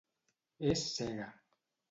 És cega.